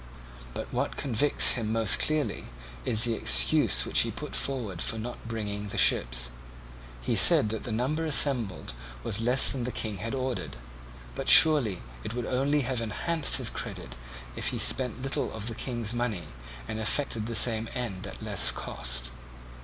But what convicts him most clearly, is the excuse which he put forward for not bringing the ships. He said that the number assembled was less than the King had ordered; but surely it would only have enhanced his credit if he spent little of the King's money and effected the same end at less cost.